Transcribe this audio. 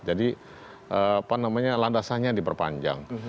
jadi apa namanya landasannya diperpanjang